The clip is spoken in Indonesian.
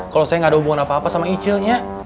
kalau saya nggak ada hubungan apa apa sama icilnya